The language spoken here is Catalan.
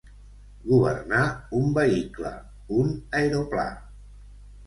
Governar un vehicle, un aeroplà.